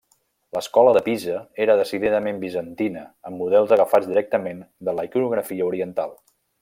L'escola de Pisa era decididament bizantina amb models agafats directament de la iconografia oriental.